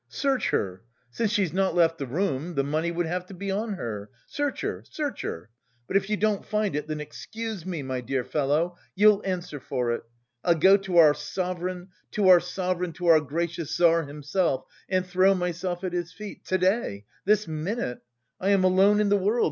Search her! Since she's not left the room, the money would have to be on her! Search her, search her! But if you don't find it, then excuse me, my dear fellow, you'll answer for it! I'll go to our Sovereign, to our Sovereign, to our gracious Tsar himself, and throw myself at his feet, to day, this minute! I am alone in the world!